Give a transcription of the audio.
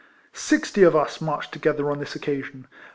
Sixty of us marched together on this occasion.